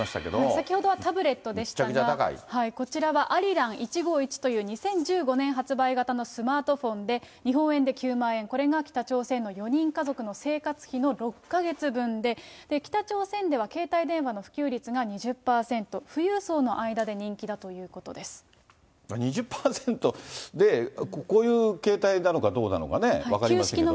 先ほどはタブレットでしたが、こちらはアリラン１５１という２０１５年発売型のスマートフォンで、日本円で９万円、これが北朝鮮の４人家族の生活費の６か月分で、北朝鮮では携帯電話の普及率が２０％、富裕層の間で人気だと２０％で、こういうけいたいなのかどうなのかね、分かりませんけどね。